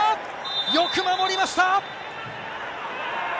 よく守りました！